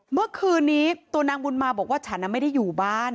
เมื่อคืนนี้ตัวนางบุญมาบอกว่าฉันไม่ได้อยู่บ้าน